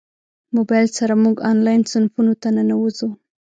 موبایل سره موږ انلاین صنفونو ته ننوځو.